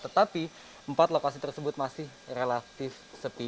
tetapi empat lokasi tersebut masih relatif sepi